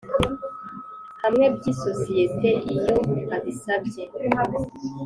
hamwe by isosiyete iyo abisabye